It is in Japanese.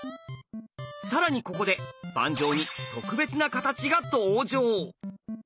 更にここで盤上に特別な形が登場。